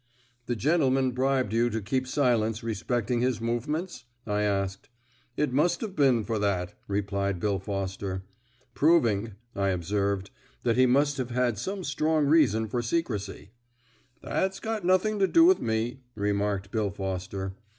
"The gentleman bribed you to keep silence respecting his movements?" I asked. "It must have been for that," replied Bill Foster. "Proving," I observed, "that he must have had some strong reason for secrecy." "That's got nothing to do with me," remarked Bill Foster.